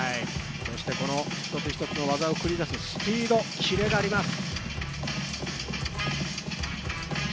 この一つ一つの技を繰り出す、スピード、キレがあります。